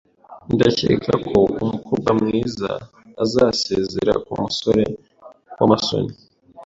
Ndakeka ko umukobwa mwiza azasezera kumusore wamasoni.